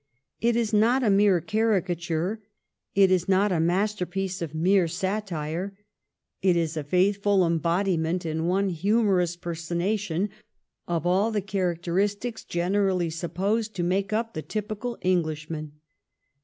It is not a mere caricature ; it is not a masterpiece of 302 THE REIGN OF QUEEN ANNE. cfi. xxxv. mere satire ; it is a faithful embodiment in one humorous personation of all the characteristics generally supposed to make up the typical English man.